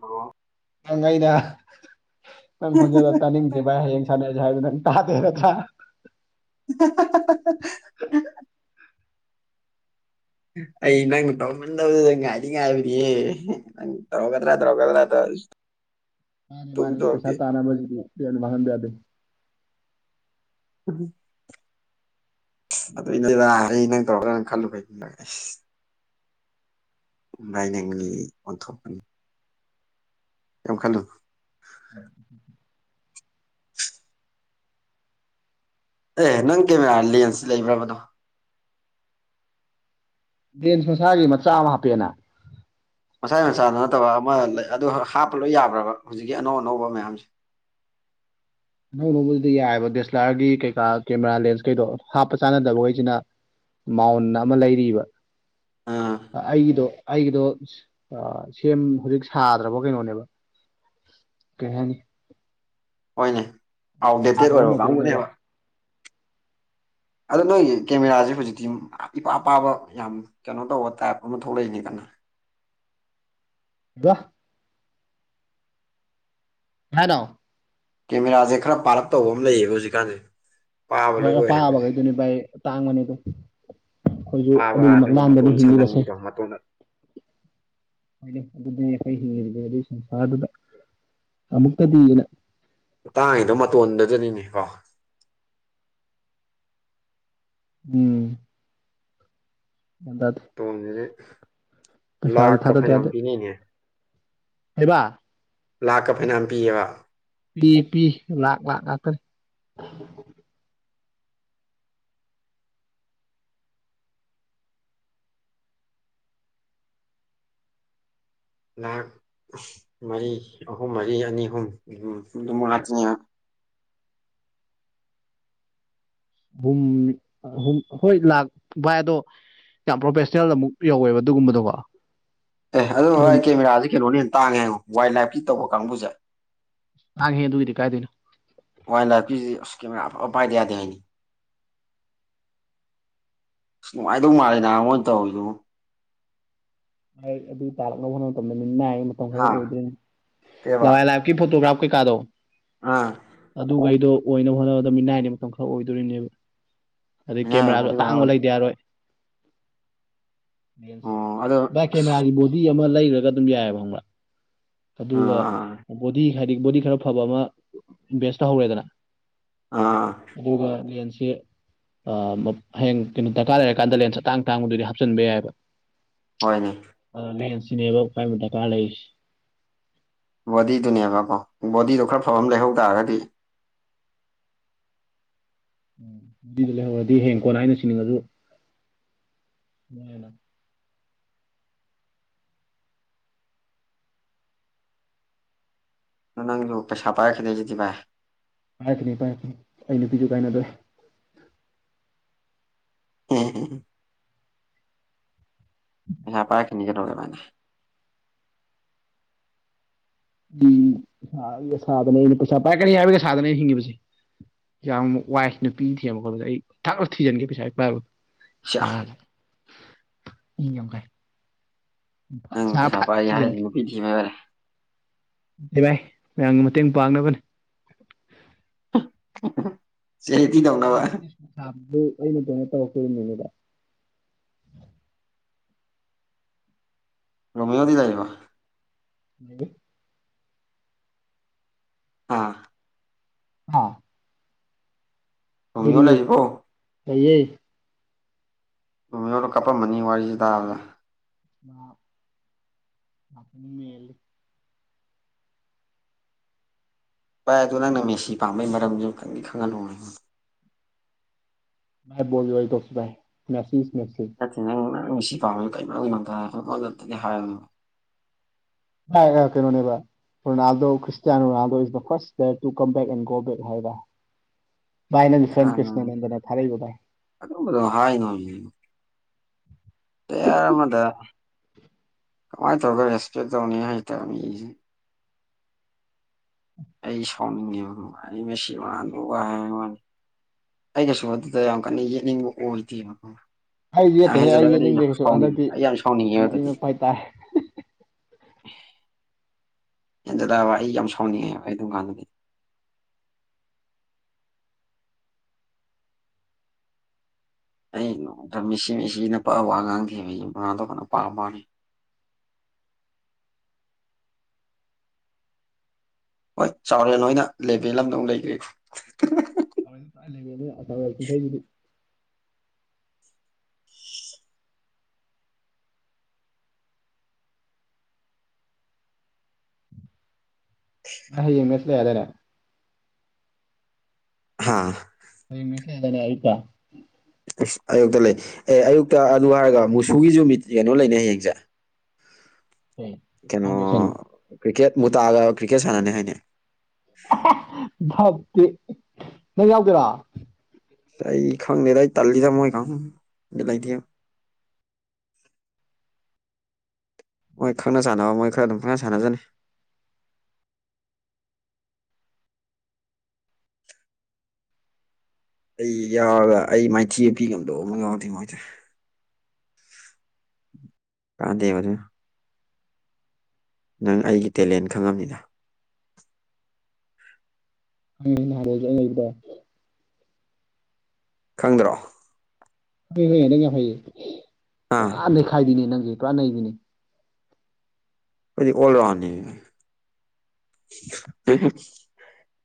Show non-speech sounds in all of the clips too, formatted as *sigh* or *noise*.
Hello ꯅ ꯑꯩꯅ ꯅꯪ ꯈꯣꯟꯖꯦꯜꯗ ꯇꯥꯅꯤꯡꯗ꯭ꯦ ꯚꯥꯏ ꯍꯌꯦꯡ ꯁꯥꯟꯅꯁꯦ ꯍꯥꯏꯗ ꯅꯪ *inaudible* ꯊ *inaudible* ꯑꯩ ꯅꯪ ꯇꯧꯃꯟꯗꯕꯗꯨꯗ ꯉꯥꯏꯅꯤꯡ ꯉꯥꯏꯕꯅꯤꯌꯦ ꯅꯪ ꯇꯧꯔꯛꯒꯗ꯭ꯔꯥ ꯇꯧꯔꯛꯒꯗ꯭ꯔꯥ ꯇꯧ ꯃꯥꯅꯦ ꯃꯥꯅꯦ ꯄꯩꯁꯥ ꯇꯥꯅꯕ ꯍꯧꯖꯤꯗꯤꯅ ꯃꯥꯡꯍꯟꯕ ꯌꯥꯗꯦ ꯎꯝ ꯑꯗꯨꯏꯅꯦꯗ ꯑꯩ ꯅꯪ ꯇꯧꯔꯒ ꯅꯪ ꯈꯜꯂꯨ ꯥꯏꯅꯤꯡꯒꯤ ꯑꯣꯟꯊꯣꯛꯅꯤ ꯌꯥꯝ ꯈꯜꯂꯨ ꯑꯦ ꯅꯪ ꯀꯦꯃꯦꯔꯥ ꯂꯟꯁ ꯂꯩꯕ꯭ꯔꯕꯗꯣ ꯖꯦꯟꯁ ꯃꯁꯥꯒꯤ ꯃꯆꯥ ꯑꯃ ꯍꯥꯞꯄꯦꯅ ꯃꯆꯥ ꯃꯆꯥꯗ ꯅꯠꯇꯕ ꯑꯃ ꯂꯩ ꯑꯗꯨ ꯍꯥꯞꯄ ꯂꯣꯏ ꯌꯥꯕ꯭ꯔꯕ ꯍꯧꯖꯤꯛꯀꯤ ꯑꯅꯧ ꯑꯅꯧꯕ ꯃꯌꯥꯝꯁꯦ ꯑꯅꯧꯅꯧꯕꯁꯤꯗꯤ ꯌꯥꯏꯑꯕ ꯗꯦꯁꯂꯥꯔꯒꯤ ꯀꯩꯀꯥ ꯀꯦꯃꯦꯔꯥ ꯂꯦꯟꯁ ꯀꯩꯗꯣ ꯍꯥꯞꯄ ꯆꯥꯅꯗꯕꯈꯣꯏꯁꯤꯅ ꯃꯥꯎꯟ ꯑꯃ ꯂꯩꯔꯤꯕ ꯑꯥ ꯑꯩꯒꯤꯗꯣ ꯑꯩꯒꯤꯗꯣ ꯁꯦꯝ ꯍꯧꯖꯤꯛ ꯁꯥꯗ꯭ꯔꯕ ꯀꯩꯅꯣꯅꯦꯕ ꯀꯩꯌꯥꯦꯅꯤ ꯍꯣꯏꯅꯦ ꯑꯥꯎꯠ ꯗꯦꯇꯦꯠ ꯁꯥꯗꯕ ꯑꯣꯏꯔꯕ ꯃꯣꯗꯦꯜꯅꯦꯕ ꯀꯥꯡꯕꯨꯅꯦꯕ ꯑꯗꯣ ꯅꯣꯏꯒꯤ ꯀꯦꯃꯦꯔꯥꯥꯁꯦ ꯍꯧꯖꯤꯛꯇꯤ ꯏꯄꯥ ꯄꯄꯥꯕ ꯌꯥꯝ ꯀꯩꯅꯣ ꯇꯧꯕ ꯇꯥꯏꯞ ꯑꯃ ꯊꯣꯛꯂꯛꯏꯅꯤ ꯀꯣ *inaudible* ꯋꯥꯍ *inaudible* ꯍꯥꯏꯅ ꯀꯦꯃꯦꯔꯥꯁꯦ ꯈꯔ ꯄꯥꯔꯞ ꯇꯧꯕ ꯑꯃ ꯂꯩꯌꯦꯕ ꯍꯧꯖꯤꯛꯀꯥꯟꯁꯦ ꯄꯥꯕ ꯂꯣꯏ ꯍꯣꯏ ꯑꯣꯏ ꯍꯥꯏꯕꯁꯦ ꯄꯥꯕꯈꯩꯗꯨꯅꯤ ꯚꯥꯏ ꯇꯥꯡꯕꯅꯤ ꯑꯗꯨ ꯄꯥꯕ ꯑꯗꯨꯒ ꯃꯇꯣꯟ ꯁꯪꯍꯟꯕꯤꯗꯣ ꯃꯇꯣꯟꯗ ꯍꯥꯏꯗꯤ ꯑꯗꯨ ꯑꯩꯈ ꯍꯒꯦ ꯑꯗꯨ ꯁꯪꯁꯥꯗꯨꯗ ꯑꯃꯨꯛꯇꯗꯤꯅ ꯇꯥꯡꯉꯗꯣ ꯃꯇꯣꯟꯗꯖꯅꯤꯅꯦ ꯀꯣ ꯎꯝ ꯒ꯭ꯌꯥꯟ ꯇꯥꯗꯦ ꯇꯣꯅꯦ ꯄꯩꯁꯥꯁꯨ ꯂꯥꯛꯥꯛ ꯀ ꯐꯖ ꯑꯃ ꯄꯤꯅꯩꯅꯦ ꯍꯥꯏꯕ ꯂꯥꯛ ꯀ ꯐꯅꯝ ꯄꯤꯕ ꯄꯤ ꯄꯤ ꯂꯥꯛ ꯂꯥꯛ ꯂꯥꯛꯇꯔ ꯂꯥꯈ ꯃꯔꯤ ꯑꯍꯨꯝ ꯃꯔꯤ ꯑꯅꯤ ꯑꯍꯨꯝ ꯑꯗꯨꯃ ꯉꯥꯛꯇ꯭ꯅꯤ *inaudible* ꯨꯝꯨꯝ ꯍꯣꯏ ꯂꯥꯛ ꯚꯥꯏ ꯑꯗꯣ ꯌꯥꯝ ꯄ꯭ꯔꯣꯐꯦꯁꯅꯦꯜ ꯑꯃꯨꯛ ꯌꯧꯋꯦꯕ ꯑꯗꯨꯒꯨꯝꯕꯗꯣꯀꯣ ꯑꯦ ꯑꯗꯨ ꯕꯥ ꯑꯗꯨꯝ ꯑꯩ ꯀꯦꯃꯦꯔꯥꯥꯁꯦ ꯀꯩꯅꯣꯅꯦ ꯍꯦꯅ ꯇꯥꯡꯉꯦ ꯋꯥꯏꯜ ꯂꯥꯏꯐꯀꯤ ꯇꯧꯕ ꯀꯥꯡꯕꯨꯁꯦ ꯅ ꯍꯦ ꯇꯕꯨꯗꯤ ꯀꯥꯏꯗꯦꯅꯣ ꯋꯥꯏꯜ ꯂꯥꯏꯐꯀꯤꯀꯤ ꯄꯥꯏꯗꯌꯥꯗ ꯍꯥꯏꯅꯤ ꯑꯁ ꯅꯨꯡꯉꯥꯏꯗꯧ ꯃꯥꯂꯦ ꯅꯍ ꯃꯣꯏ ꯇꯧꯔꯤꯗꯨ ꯑꯗꯨ ꯇꯥꯔꯛꯅꯕ ꯍꯣꯠꯅꯕ ꯃꯇꯝꯗ ꯃꯤꯠ ꯅꯥꯏ ꯃꯇꯝ ꯈꯔ ꯍꯥ ꯑꯣꯏꯗꯣꯏꯦꯅꯤ ꯂ ꯀꯩꯕ ꯂꯥꯏꯐꯀꯤ ꯐꯣꯇꯣꯒ꯭ꯔꯥ ꯀꯩꯀꯥꯗꯣ ꯑꯥ ꯑꯗꯨꯈꯩꯗꯣ ꯑꯣꯏꯅꯕ ꯍꯣꯠꯅꯕꯗ ꯃꯤꯅꯥꯏꯗꯤ ꯃꯇꯝ ꯈꯔ ꯑꯣꯏꯗꯣꯔꯤꯅꯦꯕ ꯑꯗꯩ ꯃꯤꯅꯥꯏ ꯀꯦꯃꯦꯔꯥꯁꯨ ꯃꯈꯥꯗꯤ ꯀꯃꯥꯏ ꯑꯇꯥꯡꯕ ꯑꯣꯏ ꯂꯩꯗꯤ ꯌꯥꯔꯣꯏ ꯑꯣ ꯑꯗꯣ ꯚꯥꯏ ꯀꯦꯃꯦꯔꯥꯒꯤ ꯕꯣꯗꯤ ꯑꯃ ꯂꯩꯔꯒ ꯑꯗꯨꯝ ꯌꯥꯏꯑꯕ ꯈꯪꯕ꯭ꯔꯥ ꯑꯥ ꯑꯗꯨꯒ ꯑꯥ ꯕꯣꯗꯤ ꯍꯥꯏꯗꯤ ꯕꯣꯗꯤ ꯈꯔ ꯐꯕ ꯑꯃ ꯚꯦꯁ ꯇꯧꯍꯧꯔꯦꯗꯅ ꯑꯥ ꯑꯥ ꯑꯗꯨꯒ ꯁꯤ ꯍꯌꯦꯡ ꯀꯩꯅꯣ ꯗꯔꯀꯥꯔ ꯂꯩꯔꯀꯥꯟꯗ ꯂꯦꯟꯁ ꯇꯥꯡ ꯇꯥꯡꯕꯗꯨꯗꯤ ꯍꯥꯞꯆꯤꯟꯕ ꯌꯥꯏꯑꯕ ꯍꯣꯏꯅꯦ ꯑ ꯂꯍꯟꯁꯤꯅꯦꯕꯥꯏ ꯑꯃ ꯗꯔꯀꯥꯔ ꯂꯩꯔꯤꯁ ꯕꯣꯗꯤꯗꯨꯅꯦꯕꯀꯣ ꯕꯣꯗꯤꯗꯣ ꯈꯔ ꯐꯕ ꯑꯃ ꯂꯩꯍꯧ ꯇꯥꯔꯒꯗꯤ ꯎꯝ ꯑꯗꯨꯗꯤ ꯂꯩꯍꯧꯔꯗꯤ ꯍꯌꯦꯀꯣꯅ ꯍꯥꯏꯅ ꯆꯅꯤꯡꯉꯁꯨ ꯍꯅ ꯅꯪ ꯂꯛꯇꯁꯄꯥꯥꯏ ꯈꯈꯤꯗꯁꯤꯗꯤꯚꯥꯏ ꯄꯥꯏꯔꯛꯀꯅꯤ ꯄꯥꯏꯔꯛꯀꯅꯤ ꯑꯩ ꯅꯨꯄꯤꯁꯨ ꯀꯥꯏꯅꯗꯣꯏꯦ ꯎꯝ ꯍꯦ ꯄꯥꯏꯈꯅꯤ ꯀꯦꯅꯧꯦ ꯄꯥꯏꯅꯤ ꯎꯝ ꯁꯥꯗꯅꯦꯩꯅ ꯄꯁꯥ ꯄꯥꯏ ꯀꯅꯤ ꯌꯥꯋꯒ ꯁꯥꯗꯅꯦ ꯍꯤꯡꯉꯤ ꯄ ꯌꯥꯝ ꯋꯥꯏ ꯅꯨꯄꯤ ꯊꯦꯝ ꯈꯣꯠꯗ ꯑꯩ ꯊꯥꯛꯂ ꯊꯤꯖꯤꯟꯒꯦ ꯄꯩꯁꯥ ꯄꯥꯏꯕ ꯁꯤꯌꯥ ꯁ ꯏ ꯀꯣꯟꯀꯥꯏ ꯅꯪ ꯆ ꯄꯩꯁꯥ ꯐ ꯄꯥꯏꯒꯦ ꯊꯦ ꯍꯥꯏꯔꯗꯤ ꯅꯨꯄꯤ ꯊꯤꯕ ꯌꯥꯔꯦ ꯚꯥꯏ ꯃꯌꯥꯝꯒꯤ ꯃꯇꯦꯡ ꯄꯥꯡꯅꯕꯅꯦ *inaudible* ꯇꯧꯅꯕ ꯑꯩꯅ ꯇꯉ ꯇꯣꯀꯉꯗ ꯔꯃꯦ ꯌꯗꯤ ꯂꯩꯕ ꯎ ꯑꯥ ꯑ ꯇꯃꯤ ꯑꯣ ꯂꯩꯁꯤꯀꯣ ꯑꯩꯌꯦꯌꯦ ꯑꯗꯨ ꯌꯣꯗ ꯀꯥꯄꯝꯃꯅꯤ ꯋꯥꯔꯤꯁꯤꯦ ꯇꯥꯕꯗ ꯑ ꯃꯥꯅꯤ ꯃꯂ ꯚꯥꯏ ꯑꯗꯨ ꯅꯪꯅ ꯃꯦꯁꯤ ꯄꯥꯝꯕꯩ ꯃꯔꯝꯗꯨ ꯈꯪꯗꯤ ꯈꯪꯍꯜꯂꯨꯅꯦ ꯃ ꯣꯕꯤ ꯋꯥꯔꯤ ꯋꯥꯔꯤ ꯇꯁꯤꯥꯏ ꯃꯁꯤ ꯅ ꯅꯪꯪ ꯃꯤꯁꯤ ꯄꯥ ꯀꯩ ꯃꯔꯖ ꯍꯥꯏ ꯑ ꯀꯩꯅꯣꯅꯦꯕ ꯔꯣꯅꯥꯜꯗꯣ ꯀ꯭ꯔꯤꯁꯇꯌꯥꯅꯣ ꯔꯣꯅꯥꯜꯗꯣ *unintelligible* *inaudible* ꯚꯥꯏ ꯅꯪꯒꯤ ꯐ꯭ꯔꯦꯟ ꯑ ꯀ꯭ꯔꯤꯁꯅꯅꯟꯗꯅ ꯊꯥꯔꯛꯏꯕ ꯚꯥꯏ ꯑꯗꯨꯝꯕꯗꯣ ꯍꯥꯏꯅꯣꯃꯦ ꯇꯌꯥꯔ ꯑꯃꯗ ꯀꯃꯥꯢ ꯇꯧꯔꯒ ꯔꯦꯁꯄꯦꯛ ꯇꯧꯅꯤ ꯍꯩꯇꯕ ꯃꯤ ꯑꯩ ꯁꯥꯎꯅꯤꯉꯤ ꯑꯩꯁ ꯃꯔ ꯋꯥ ꯑꯩ ꯀꯩꯁꯨ ꯑꯗꯨꯗ ꯌꯥꯝ ꯀꯟꯅ ꯌꯦꯛꯅꯤꯡꯕ ꯑꯣꯏꯗꯦ ꯑꯩ ꯌꯦꯠꯇꯦꯍꯦ ꯑꯩ ꯆꯂꯒ ꯌꯦꯠꯅꯤꯡꯗꯦ ꯀꯩꯁꯨ ꯁꯥꯎꯅꯤ ꯍꯟꯗꯛꯇꯤ ꯑꯩ ꯌꯥꯝ ꯁꯥꯎꯅꯤ ꯍꯗꯗꯤ *inaudible* ꯅꯣꯛꯅꯤꯡꯉꯛꯄ ꯍꯥꯏꯇꯥꯔꯦ ꯖꯦꯗ ꯑꯩ ꯌꯥꯝ ꯁꯥꯎꯅꯤ ꯑꯗꯨꯀꯥꯟ ꯅꯗ ꯑꯩꯗ ꯃꯤꯁꯤ ꯃꯤꯁꯤꯅ ꯄꯕ ꯋꯥ ꯉꯥꯡ ꯊꯤꯕ ꯃꯗꯧꯕꯅꯄꯥ ꯃꯥꯅꯤ ꯍꯣꯏ ꯆꯥꯎꯔꯦꯜ ꯑꯣꯏꯅ ꯂꯦꯕꯦꯜ ꯑꯃꯗ ꯃꯨꯛ ꯂꯩꯈ꯭ꯔꯦ *unintelligible* ꯀꯩ *unintelligible* ꯍꯥꯥ ꯑꯩ *unintelligible* ꯑꯁ ꯑꯌꯨꯛꯇ ꯂꯩ ꯑꯦ ꯑꯌꯨꯛꯇ ꯑꯗꯨ ꯍꯥꯏꯔꯒ ꯃꯨꯁꯨꯒꯤꯁꯨ ꯃꯤꯠ ꯀꯩꯅꯣ ꯂꯩꯅꯤ ꯍꯌꯦꯡꯁꯦ ꯀꯩ ꯀꯩꯅꯣ ꯐꯥꯎꯟꯗꯦꯁꯟ ꯀ꯭ꯔꯤꯛꯀꯦꯠ ꯃꯨ ꯇꯥꯛꯑꯒ ꯀ꯭ꯔꯤꯛꯀꯦꯠ ꯁꯥꯟꯅꯅꯤ ꯍꯥꯏꯅꯤ ꯅꯪ ꯌꯥꯎꯗꯨꯏꯔ ꯥꯏ ꯏ ꯈꯪ ꯅꯔꯥꯏ ꯇꯥꯂꯤꯗꯝꯣ ꯏ ꯈ ꯂꯥꯏꯗꯦ *inaudible* ꯃꯣꯏ ꯈꯪꯅ ꯆꯥꯟꯅꯕ ꯃꯣꯏ ꯈꯔ ꯑꯗꯨꯝ ꯈꯪꯅ ꯁꯥꯟꯅꯖꯅꯤ ꯑꯩ ꯌꯥꯔꯒ ꯑꯩ ꯃꯥꯏꯊꯤꯕ ꯄꯤ ꯉꯝꯗꯕ ꯑꯃ ꯌꯥꯎꯗꯦ ꯃꯣꯏꯁꯦ ꯀꯗꯦꯕꯔ ꯅꯪ ꯑꯩꯒꯤ ꯇꯦꯂꯦꯟ ꯈꯪꯉꯕꯅꯤꯅ ꯍꯪ ꯅꯍꯥꯟꯕꯣꯖ ꯑꯩ ꯂꯩꯕꯗ ꯈꯪꯗ꯭ꯔꯣ ꯍꯣꯏ ꯍꯣꯏ ꯅꯪ ꯌꯥꯝ ꯐꯩꯌꯦ ꯑꯥ ꯄꯨꯔꯥ ꯅꯩꯈꯥꯏꯕꯤꯅꯦ ꯅꯪꯁ ꯄꯨꯔꯥ ꯅꯩꯕꯤꯅꯦ ꯑꯩꯣꯏꯗꯤ ꯑꯣꯜꯔꯅꯤ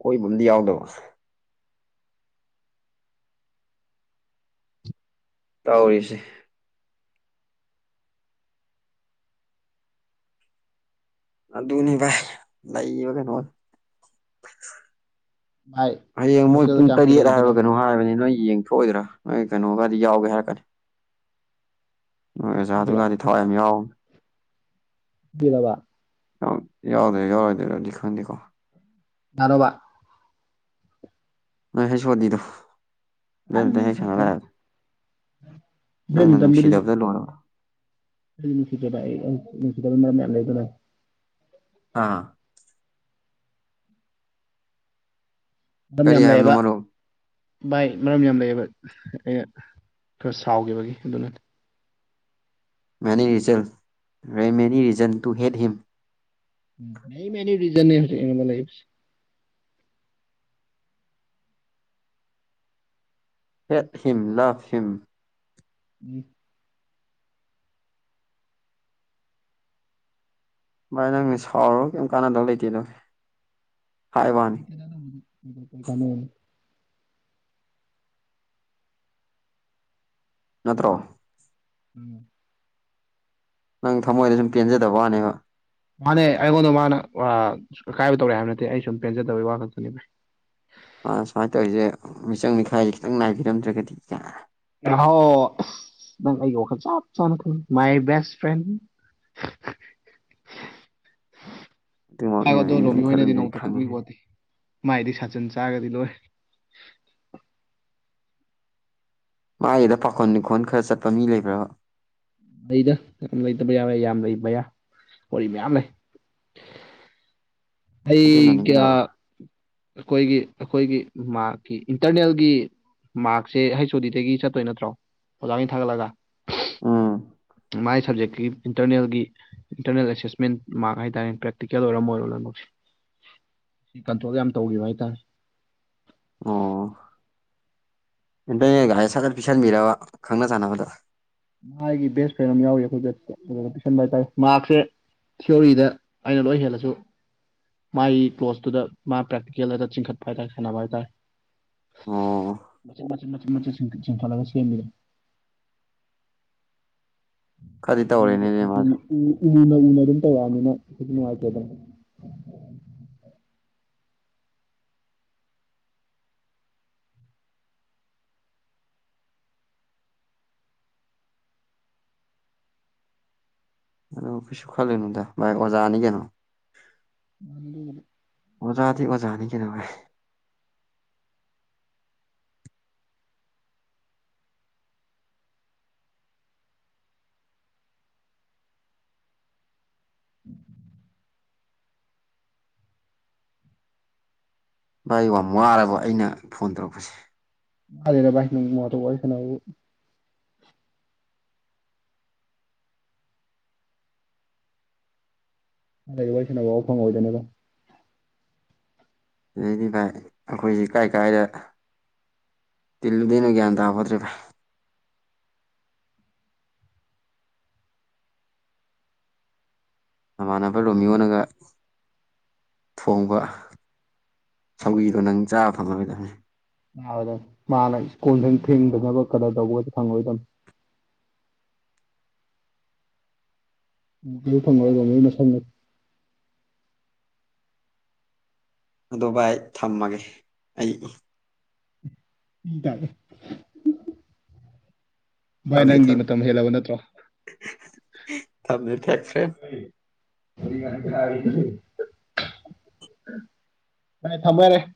ꯀꯣꯏ ꯃꯗꯤ ꯌꯥꯗꯕ ꯇꯧꯔꯤꯁꯦ ꯑꯗꯨꯅꯤꯚꯥꯏ ꯂꯩꯕ ꯀꯩꯅꯣ ꯚꯥꯏ ꯍꯌꯦꯡ ꯃꯣꯏ ꯍꯣꯁꯇꯦꯜꯗ ꯄꯨꯡ ꯀꯌꯥꯝ ꯀꯨꯏ ꯇꯔꯦꯠ ꯂꯩꯒꯤꯗꯣꯏꯅꯣ ꯍꯥꯏꯕꯔꯥ ꯀꯩꯅꯣꯝ ꯍꯥꯏꯕꯅꯤ ꯅꯣꯏ ꯌꯦꯡ ꯁꯣꯏꯗ꯭ꯔꯥ ꯅꯣꯏ ꯀꯩꯅꯣꯒꯗꯤ ꯌꯥꯎꯒꯦ ꯍꯥꯏꯔꯛꯀꯅꯤ ꯅꯣꯏ ꯑꯣꯖꯥ ꯑꯗꯨꯒꯗꯤ ꯊꯋꯥꯏ ꯌꯥꯝ ꯌꯥꯎꯕꯅꯦ ꯗꯕ ꯌꯥꯎꯗꯣꯏꯔꯥ ꯌꯥꯎꯔꯣꯏ ꯗꯔꯥꯗꯤ ꯈꯪꯗꯦ ꯀꯦ ꯀꯅꯥꯅꯣꯕ ꯅꯣꯏ ꯍꯩ ꯑꯣ ꯗꯤ ꯗꯣ ꯑꯗꯨꯇ ꯍ ꯁꯪꯅꯂꯑ ꯅꯪꯅ ꯅꯨꯡꯁꯤꯗꯕꯗ ꯂꯣꯏꯔꯕ ꯅꯨꯡꯁꯤꯁꯤ ꯃꯔ ꯃ ꯂꯩꯗꯅ ꯑꯥ ꯃꯔꯝ ꯀꯔꯤ ꯌꯥꯝ ꯍꯥꯏꯕꯅꯣ ꯂꯩꯌꯦꯕ ꯃꯔꯨꯞ ꯚꯥꯏ ꯃꯔꯝ ꯌꯥꯝ ꯂꯩꯌꯦꯕ ꯑꯩꯅ ꯈꯔ ꯁꯥꯎꯈꯤꯕꯒꯤ ꯑꯗꯨꯅ ꯃꯅꯤ ꯔꯤꯖꯟ ꯔꯦ ꯃꯅꯤ ꯔꯤꯖꯟ ꯇꯨ ꯍꯦꯠ ꯍꯤꯝ ꯔꯦꯒꯤꯑꯣꯟ ꯍꯦꯠ ꯍꯤꯝ ꯂꯞꯍꯤꯝ ꯎ ꯚꯥꯏ ꯅꯪ ꯁꯥꯎꯔ꯭ ꯀꯩꯝ ꯀꯥꯟꯅꯗꯧ ꯂꯩꯇꯦꯗ ꯍꯥꯏꯕ ꯋꯥꯅꯤ ꯑꯩꯗ ꯐ ꯅꯠꯇ꯭ꯔꯣ ꯎꯝ ꯅꯪ ꯊꯃꯣꯏꯗ ꯁꯨꯝ ꯄꯦꯟꯖꯗꯕ ꯋꯥꯅꯦꯕ ꯃꯥꯅꯦ ꯑꯩꯉꯣꯟꯗ ꯃꯥꯅ ꯑꯀꯥꯏꯕ ꯇꯧꯔꯛꯑꯦ ꯍꯥꯏꯕ ꯅꯠꯇꯦ ꯑꯩ ꯁꯨꯝ ꯄꯦꯟꯖꯗꯕꯒꯤ ꯋꯥ ꯈꯛꯇꯅꯦꯕ ꯑ ꯁꯨꯃꯥꯏꯅ ꯇꯧꯔꯤꯁꯦ ꯃꯤꯆꯪ ꯃꯤꯈꯥꯏꯁꯦ ꯈꯤꯇꯪ ꯉꯥꯏꯕꯤꯔꯝꯗ꯭ꯔꯒꯗꯤ ꯍꯥꯎ ꯅꯪ ꯑꯩꯒꯤ ꯋꯥꯈꯜ ꯆꯞ ꯆꯥꯅ ꯈꯪꯒꯦ꯫ ꯃꯌ ꯕꯦꯁꯇ꯭ ꯐ꯭ꯔꯦꯟ *unintelligible* ꯑꯗꯨꯃꯛꯅꯦꯕ ꯑꯗꯨ ꯑꯩꯅ ꯑꯗꯨꯝ ꯂꯣꯃꯤ ꯍꯣꯏꯅꯗꯤ ꯈꯜꯂꯤꯁꯦ ꯑꯩ ꯅꯣꯡꯃꯇ ꯈꯪꯕꯤ ꯈꯪꯉꯦ ꯄꯣꯠꯇꯦ ꯃꯥꯏꯗꯤ ꯁꯥꯖꯟ ꯆꯥꯇꯥꯒꯗꯤ ꯂꯣꯏꯔꯦ ꯃꯥꯒꯤꯗ ꯄꯥꯈꯣꯟ ꯂꯤꯈꯣꯟ ꯈꯔ ꯆꯠꯄ ꯃꯤ ꯂꯩꯕ꯭ꯔꯥꯕꯥ ꯂꯩꯗ ꯂꯩꯇꯕ ꯌꯥ ꯂꯩ ꯌꯥꯝ ꯂꯩꯕ ꯋꯥꯔꯤ ꯃꯌꯥꯝ ꯂꯩ *unintelligible* ꯑꯩꯩ ꯑꯗꯨꯅꯅꯤ ꯀꯌꯥ ꯀꯩꯗꯧꯔꯕ ꯑꯩꯈꯣꯏꯒꯤ ꯑꯩꯈꯣꯏꯒꯤ ꯃꯔꯥꯛꯀꯤ ꯏꯟꯇꯔꯅꯦꯜꯒꯤ ꯃꯥꯔꯛꯁꯦ ꯍꯩꯁ ꯑꯣ ꯗꯤꯗꯒꯤ ꯆꯠꯇꯣꯏ ꯅꯠꯇ꯭ꯔꯣ ꯑꯣꯖꯥꯅ ꯊꯥꯒꯠꯂꯒ ꯑꯥ ꯃꯥꯏ ꯁꯕꯖꯦꯛꯀꯤ ꯏꯟꯇꯔꯅꯦꯜꯒꯤ ꯏꯟꯇꯔꯅꯦꯜ ꯑꯦꯁꯦꯁꯃꯦꯟ ꯃꯔ ꯍꯥꯏꯇꯥꯔꯦ ꯄ꯭ꯔꯦꯛꯇꯤꯀꯦꯜ ꯑꯣꯏꯔꯝ ꯑꯣꯏꯔꯣ ꯂꯣꯏ ꯃꯛ ꯁꯦ *unintelligible* ꯁꯤ ꯀꯟꯇ꯭ꯔꯣꯜꯒ ꯌꯥꯝ ꯇꯧꯈꯤꯕ ꯍꯥꯏꯇꯥꯔꯦ ꯑꯣ ꯑꯇ ꯒꯥꯔꯤ ꯁꯥꯖꯠ ꯄꯤꯁꯟꯕꯤꯔꯕ ꯈꯪꯅ ꯆꯥꯟꯅꯕꯗ ꯃꯥꯒꯤ ꯕꯦꯁ ꯐ꯭ꯔꯦꯟ ꯑꯃ ꯌꯥꯎꯏꯤ ꯑꯩꯈꯣꯏ ꯑꯗꯨ ꯄꯤꯁꯟꯕ ꯍꯥꯏꯇꯥꯔꯦ ꯃꯔꯥꯛꯁꯦ ꯊꯤꯑꯣꯔꯤꯗ ꯑꯩꯅ ꯂꯣꯏ ꯍꯦꯜꯂꯁꯨ ꯃꯥꯒꯤ ꯀ꯭ꯂꯣꯁꯇꯨꯗ ꯃꯥ ꯄ꯭ꯔꯦꯛꯇꯤꯀꯦꯜ ꯍꯥꯏꯗ ꯆꯤꯡꯈꯠꯄ ꯍꯥꯏ ꯇꯥꯔꯦ ꯁꯥꯟꯅꯕ ꯍꯥꯏ ꯇꯥꯔꯦ ꯑꯣ ꯃ ꯃꯆ ꯆꯤꯡꯈꯠ ꯂꯒꯥ ꯁꯦꯝꯕꯗꯣ ꯈꯔꯗꯤ ꯇꯧꯔꯦꯅꯦ ꯃꯥꯁꯨ ꯃ ꯎꯂꯔꯝ ꯅꯤꯅꯅ ꯋꯥꯗ ꯑꯗꯨ ꯀꯩꯁꯨ ꯈꯜꯂꯨꯅꯨꯗ ꯚꯥꯏ ꯑꯣꯖꯥꯅꯤ ꯀꯩꯅꯣ ꯅ ꯑꯣꯖꯥꯗꯤ ꯑꯣꯖꯥꯅꯤ ꯀꯅꯣ ꯚꯥꯏ ꯎꯝ *unintelligible* ꯚꯥꯏ ꯌꯥꯝ ꯋꯥꯔꯕ ꯑꯩꯅ ꯐꯣꯟ ꯇꯧꯔꯛꯄꯁꯦ ꯍꯥꯏꯗꯦꯗ ꯚꯥꯏ ꯏꯣꯡꯐꯗꯣꯛ ꯋꯥꯔꯤ ꯁꯥꯟꯅꯕꯕꯨ ꯀꯩꯗꯧ ꯋꯥꯔꯤ ꯁꯥꯟꯅꯕ ꯐꯥꯎ ꯐꯪꯉꯣꯏꯗꯣꯏꯅꯣꯗ ꯚꯥꯏ ꯑꯗꯨꯗꯩꯗꯤ ꯚꯥꯏ ꯑꯩꯈꯣꯏꯁꯦ ꯀꯥꯏ ꯀꯥꯏꯗ ꯇꯤꯜꯂꯨꯗꯣꯏꯅꯦ ꯒꯌꯥꯟ ꯇꯥꯕ ꯅꯠꯇ꯭ꯔꯤ ꯚꯥꯏ ꯃꯃꯅꯕ ꯔꯣꯃꯤꯌꯣꯅꯒ ꯊꯣꯡꯕ ꯁꯧꯒ꯭ꯔꯤꯗꯣ ꯅꯪ ꯆꯥꯕ ꯐꯪꯉꯥꯔꯣꯏꯗꯕꯅꯤ ꯑ ꯃꯥꯅ ꯁꯀꯨꯜ ꯊꯦꯡꯗꯅꯕ ꯀꯗꯔ ꯇꯧꯕꯁꯨ ꯐꯪꯉꯥꯔꯣꯏꯗꯕꯅꯦ ꯑꯗꯨꯝ ꯃ ꯐꯪꯉ ꯐꯅ ꯐ *unintelligible* ꯑꯗꯨ ꯚꯥꯏ ꯊꯝꯃꯒꯦ ꯑꯩ ꯄꯤ ꯇꯔꯦ ꯚꯥꯏ ꯊꯝꯃꯦ ꯅꯪꯗꯤ ꯊꯝꯃꯦ ꯃꯇꯝ ꯍꯦꯜꯂꯕ ꯅꯠꯇ꯭ꯔꯣ ꯊꯝꯃꯦ ꯐꯦꯛ ꯐ꯭ꯔꯦꯟ ꯊꯝꯃꯣ ꯌꯥꯔꯦ